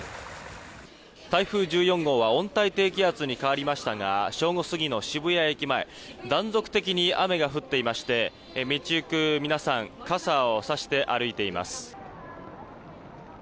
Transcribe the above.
台風１４号は温帯低気圧に変わりましたが正午過ぎの渋谷駅前断続的に雨が降っていまして道行く皆さん傘をさして歩いています。